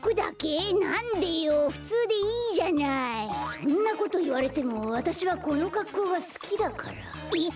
そんなこといわれてもわたしはこのかっこうがすきだから。